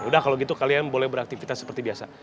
udah kalau gitu kalian boleh beraktivitas seperti biasa